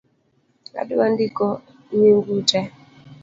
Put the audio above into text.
Adwa ndiko nying'u tee